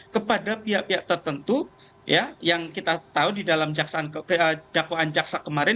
kepada pihak pihak tertentu yang kita tahu di dalam dakwaan jaksa kemarin